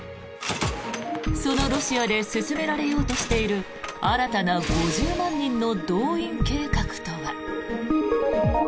そのロシアで進められようとしている新たな５０万人の動員計画とは。